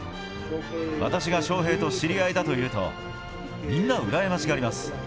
私が翔平と知り合いだと言うと、みんな羨ましがります。